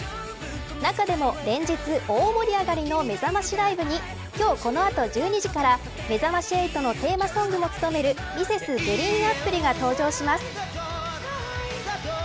中でも、連日大盛り上がりのめざましライブに今日、この後１２時からめざまし８のテーマソングも務めるＭｒｓ．ＧＲＥＥＮＡＰＰＬＥが登場します。